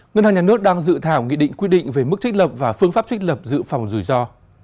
ngân hàng nhà nước đang dự thảo nghị định quy định về mức trích lập và phương pháp trích lập dự phòng rủi ro